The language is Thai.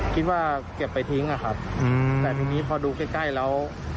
เก็บไปทิ้งอะครับแต่ทีนี้พอดูใกล้ใกล้แล้ว